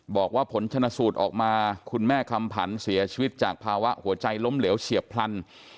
บอกว่าผลชนะสูตรออกมาคุณแม่คำผันเสียชีวิตจากภาวะหัวใจล้มเหลวเฉียบพลัน